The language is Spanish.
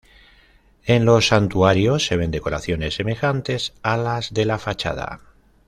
En los santuarios se ven decoraciones semejantes a las de la fachada.